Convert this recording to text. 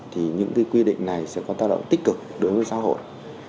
thì những quy định này sẽ có tác động tích cực đối với xã hội